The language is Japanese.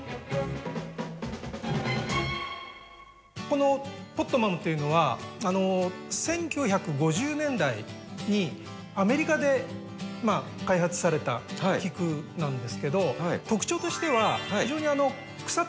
このポットマムというのは１９５０年代にアメリカで開発された菊なんですけど特徴としては非常に草丈が低くって。